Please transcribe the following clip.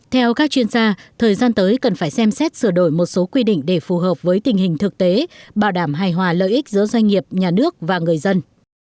theo các chuyên gia thời gian tới cần phải xem xét sửa đổi một số quy định để phù hợp với tình hình thực tế bảo đảm hài hòa lợi ích giữa doanh nghiệp nhà nước và người dân